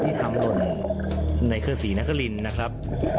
ที่ทำลนในเครื่องสีนักฤลินนะครับ